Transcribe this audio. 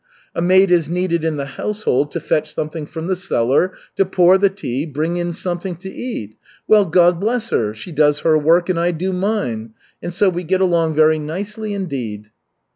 A maid is needed in the household to fetch something from the cellar, to pour the tea, bring in something to eat well God bless her! She does her work and I do mine, and so we get along very nicely indeed."